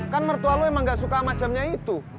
kan mertua lo emang gak suka macamnya itu